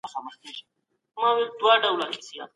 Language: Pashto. ما په ماسومتوب کي د لنډو کیسو لوستل پیل کړل.